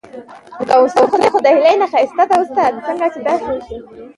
ازادي راډیو د امنیت د اړونده قوانینو په اړه معلومات ورکړي.